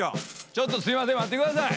ちょっとすいません待って下さい！